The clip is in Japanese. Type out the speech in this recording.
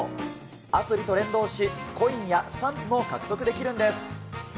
アプリと連動し、コインやスタンプも獲得できるんです。